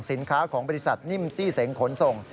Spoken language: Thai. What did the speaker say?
สินค้าของบริษัทนิ่มซี่เสงขนส่ง